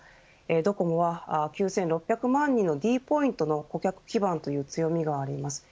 ドコモは９６００万人のｄポイントの顧客基盤という強みがあります。